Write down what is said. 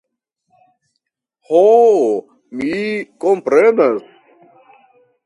Ho, mi komprenas.